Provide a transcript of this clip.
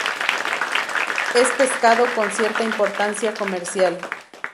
Es pescado con cierta importancia comercial.